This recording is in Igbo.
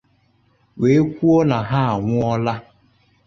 wee kwuo na ha anwụọla.